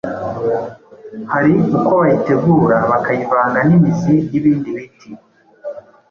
hari uko bayitegura bakayivanga n’imizi y’ibindi biti,